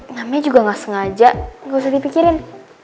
namanya juga gak sengaja gak usah dipikirin